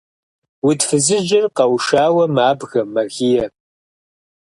Уд фызыжьыр къэушауэ мабгэ, мэгие.